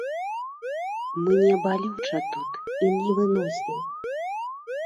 Мне балюча тут і невыносна.